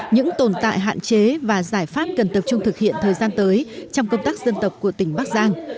những tồn tại hạn chế và giải pháp cần tập trung thực hiện thời gian tới trong công tác dân tộc của tỉnh bắc giang